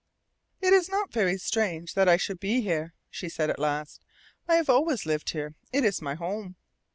"It is not very strange that I should be here" she said at last. "I have always lived here. It is my home."